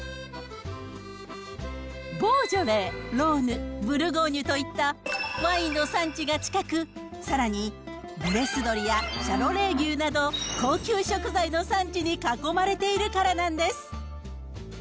ボージョレ、ローヌ、ブルゴーニュといったワインの産地が近く、さらに、ブレス鶏やシャロレー牛など、高級食材の産地に囲まれているからなんです。